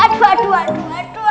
aduh aduh aduh